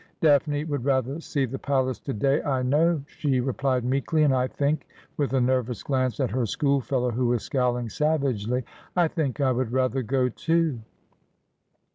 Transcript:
' Daphne would rather see the palace to day, I know,' she replied meekly, ' and I think,' with a nervous glance at her schoolfellow, who was scowling savagely, ' I think I would rather go too.'